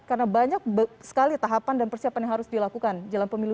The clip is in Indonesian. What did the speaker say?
karena banyak sekali tahapan dan persiapan yang harus dilakukan jalan pemilu dua ribu dua puluh empat